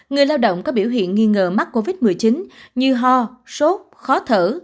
người lao động có biểu hiện nghi ngờ mắc covid một mươi chín như ho sốt khó thở